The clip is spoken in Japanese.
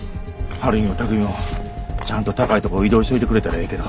晴美も巧海もちゃんと高いとこ移動しといてくれたらええけど。